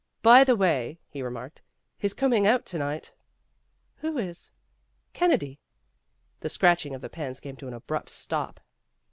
"By the way," he remarked, "He's coming out to night. '' "Who is?" "Kennedy." The scratching of the pens came to an abrupt stop.